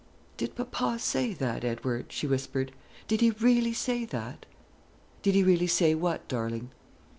"Did papa say that, Edward?" she whispered; "did he really say that?" "Did he really say what, darling?"